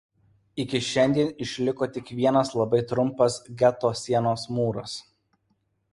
Iki šiandien išliko tik vienas labai trumpas geto sienos mūras.